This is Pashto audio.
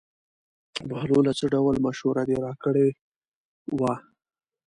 بهلوله څه ډول مشوره دې راکړې وه.